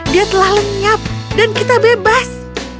dia telah lenyap dan kita bebas